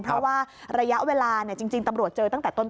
เพราะว่าระยะเวลาจริงตำรวจเจอตั้งแต่ต้น